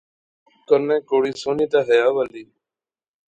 کنے کڑی سوہنی تے حیا والی